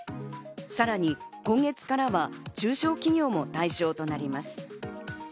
さらに今月からは中小企業も対象となります。